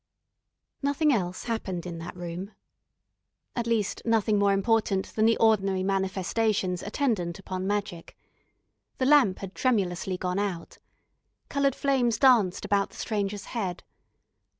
Nothing else happened in that room. At least nothing more important than the ordinary manifestations attendant upon magic. The lamp had tremulously gone out. Coloured flames danced about the Stranger's head.